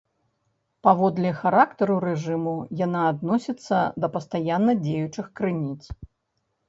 Паводле характару рэжыму яна адносіцца да пастаянна дзеючых крыніц.